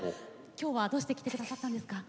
今日は、どうして来てくださったんですか？